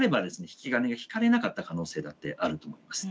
引き金が引かれなかった可能性だってあると思います。